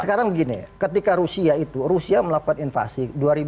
sekarang begini ketika rusia itu rusia melakukan invasi